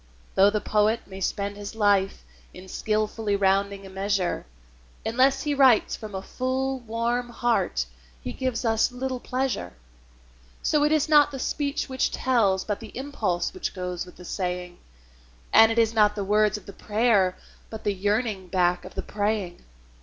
Though the poet may spend his life in skilfully rounding a measure, Unless he writes from a full, warm heart he gives us little pleasure. So it is not the speech which tells, but the impulse which goes with the saying; And it is not the words of the prayer, but the yearning back of the praying.